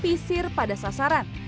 posisi pisir pada sasaran